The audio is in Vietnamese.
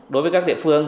đối với các địa phương